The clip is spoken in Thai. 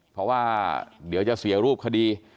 เพราะว่าเดี๋ยวจะเสียรูปคดี